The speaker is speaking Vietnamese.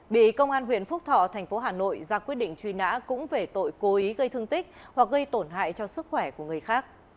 bị công an huyện phúc thọ thành phố hà nội ra quyết định truy nã cũng về tội cố ý gây thương tích hoặc gây tổn hại cho sức khỏe của người khác